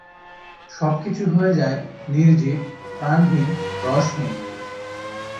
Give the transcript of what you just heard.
সবকিছু হয়ে যায় নির্জীব, প্রাণহীন, রসহীন।